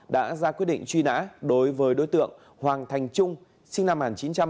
đã ra quyết định truy nã đối với đối tượng hoàng thành trung sinh năm một nghìn chín trăm tám mươi